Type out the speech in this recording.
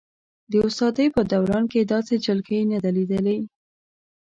د استادۍ په دوران کې یې داسې جلکۍ نه ده لیدلې.